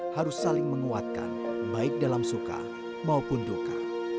harus saling menguatkan baik dalam suka maupun duka